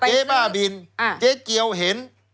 เจ๊บ้าบินเจ๊เกียวเห็น